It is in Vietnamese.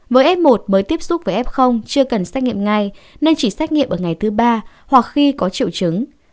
với f một mới tiếp xúc với f chưa cần xét nghiệm ngay nên chỉ xét nghiệm ở ngày thứ ba hoặc khi có triệu chứng